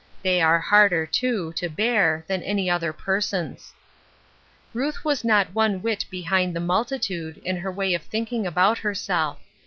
They are harder, too, to bear, than any other person's. Ruth was not one whit behind the multitude, in her way of thinking about herself.